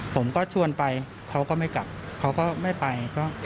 ผมก็ชวนไปเขาก็ไม่กลับเขาก็ไม่ไป